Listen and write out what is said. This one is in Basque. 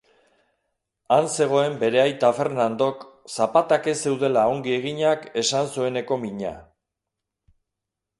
Han zegoen bere aita Fernandok zapatak ez zeudela ongi eginak esan zueneko mina.